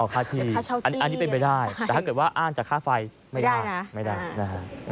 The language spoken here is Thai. ค่าที่อันนี้เป็นไปได้แต่ถ้าเกิดว่าอ้างจากค่าไฟไม่ได้ไม่ได้นะฮะ